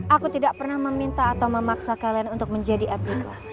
aku tidak pernah meminta atau memaksa kalian untuk menjadi abdullah